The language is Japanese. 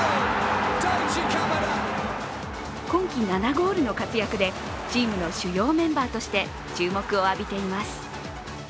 今季７ゴールの活躍でチームの主要メンバーとして注目を浴びています。